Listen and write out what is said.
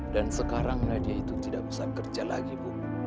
dan sekarang nadia itu tidak bisa kerja lagi bu